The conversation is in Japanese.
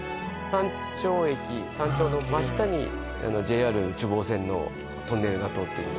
山頂駅山頂の真下にうわキレイＪＲ内房線のトンネルが通ってる